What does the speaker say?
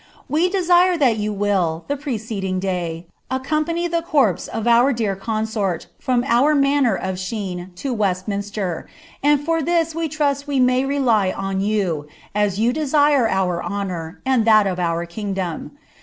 We desire diat you will, the preceding day, accompany the corpse of our dear oonaort from our manor of Shene to Westminster; and for this we trust we may rely on youi as you desire our honour, and that of our kingdom.